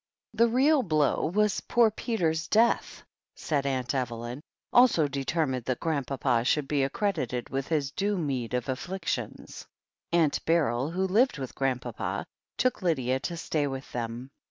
"The real blow was poor Peter's death," said Aunt Evelyn, also determined that Grandpapa should be accredited with his due meed of afflictions. Aunt Beryl, who lived with Grandpapa, took Lydia to stay with them.